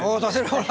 ほら！